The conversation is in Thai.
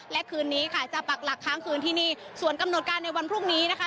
และคืนนี้ค่ะจะปักหลักค้างคืนที่นี่ส่วนกำหนดการในวันพรุ่งนี้นะคะ